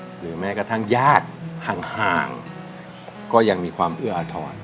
หรือแม้กระทั่งญาติห่างก็ยังมีความเอื้ออาทร